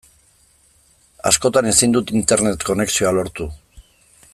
Askotan ezin dut Internet konexioa lortu.